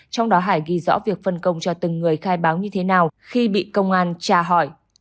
trong đó hải ghi rõ việc phân công cho từng người khai báo như thế nào khi bị công an trả hỏi